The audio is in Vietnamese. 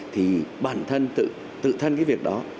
thì bản thân tự thân cái việc đó